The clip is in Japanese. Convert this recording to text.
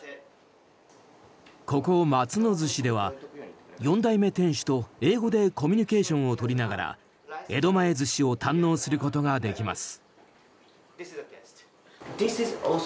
ここ、松乃鮨では４代目店主と英語でコミュニケーションを取りながら江戸前寿司を堪能することができます。